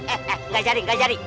eh eh gak cari gak cari